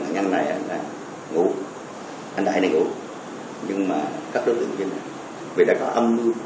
cắt chân lên tay lái xe và ngủ